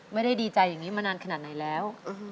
ไม่ได้ดีใจอย่างนี้มานานขนาดไหนแล้ว